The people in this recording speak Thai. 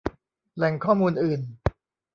แหล่งข้อมูลอื่น